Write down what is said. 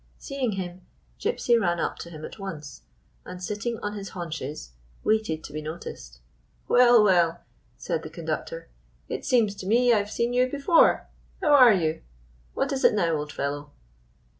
Seeing him, Gypsy ran up to him at once, and, sitting on his haunches, waited to be noticed. "Well, well," said the conductor, "it seems to me I have seen you before! How are you? What is it now, old fellow?"